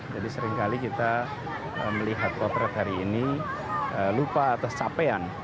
seringkali kita melihat potret hari ini lupa atas capaian